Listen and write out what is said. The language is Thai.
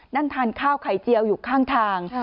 นั่งทานข้าวไข่เจียวอยู่ข้างทาง